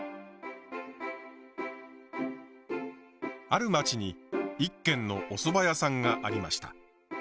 ある町に一軒のおそば屋さんがありました。